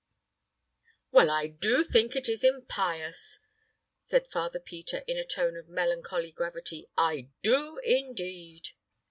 "Well, I do think it is impious," said Father Peter, in a tone of melancholy gravity. "I do, indeed."